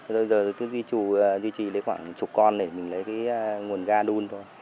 bây giờ tôi duy trì lấy khoảng chục con để mình lấy cái nguồn ga đun thôi